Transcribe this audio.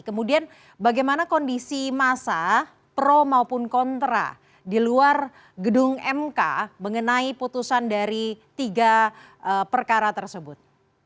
kemudian bagaimana kondisi masa pro maupun kontra di luar gedung mk mengenai putusan dari tiga perkara tersebut